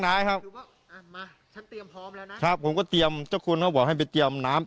มาฉันเตรียมพร้อมน่ะครับผมก็เตรียมเจ้าคุณเขาบอกให้เตรียมน้ำ